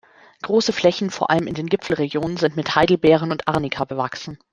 Große Flächen, vor allem in den Gipfelregionen, sind mit Heidelbeeren und Arnika bewachsen.